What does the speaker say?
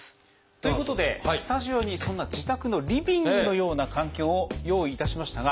ということでスタジオにそんな自宅のリビングのような環境を用意いたしましたが。